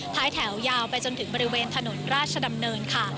ท้ายแถวยาวไปจนถึงบริเวณถนนราชดำเนินค่ะ